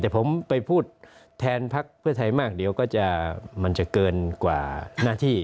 แต่ผมไปพูดแทนพักเพื่อไทยมากเดี๋ยวก็จะมันจะเกินกว่าหน้าที่